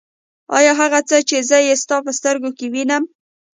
آيا هغه څه چې زه يې ستا په سترګو کې وينم.